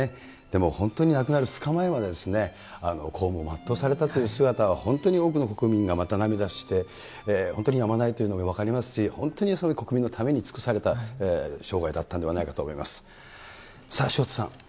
でも本当に亡くなる２日前まで、公務を全うされたという姿は本当に多くの国民がまた涙して、本当にやまないというのも分かりますし、本当に国民のために尽くされた生涯だったのではないかと思います。